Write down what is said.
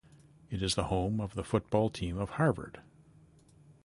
It is the home of the football team of Harvard.